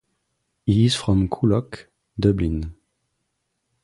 He is from Coolock, Dublin.